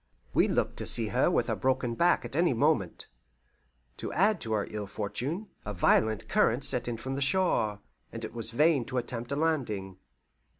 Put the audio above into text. We looked to see her with a broken back at any moment. To add to our ill fortune, a violent current set in from the shore, and it was vain to attempt a landing.